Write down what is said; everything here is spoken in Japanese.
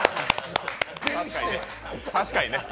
確かにね。